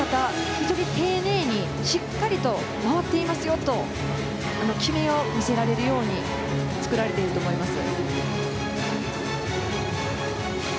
非常に丁寧にしっかりと回っていますよと決めを見せられるように作られていると思います。